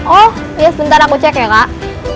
oh iya sebentar aku cek ya kak